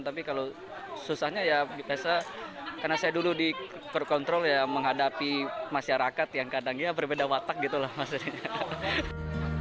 tapi kalau susahnya ya karena saya dulu di control ya menghadapi masyarakat yang kadangnya berbeda watak gitu loh maksudnya